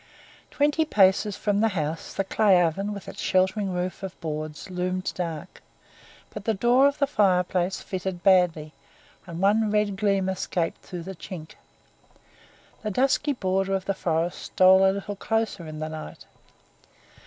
Twenty paces from the house the clay oven with its sheltering roof of boards loomed dark, but the door of the fireplace fitted badly and one red gleam escaped through the chink; the dusky border of the forest stole a little closer in the night.